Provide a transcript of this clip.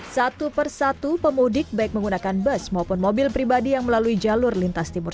satu persatu pemudik baik menggunakan bus maupun mobil pribadi yang melalui jalur lintas timur